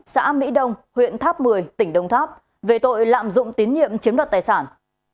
xã mỹ đông huyện tháp một mươi tỉnh đông tháp về tội lạm dụng tín nhiệm chiếm đoạt tài sản